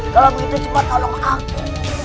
kalau begitu cepat tolong aku